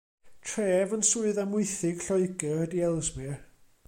Tref yn Swydd Amwythig, Lloegr ydy Ellesmere.